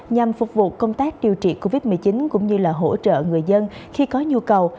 nhằm phục vụ công tác điều trị covid một mươi chín cũng như là hỗ trợ người dân khi có nhu cầu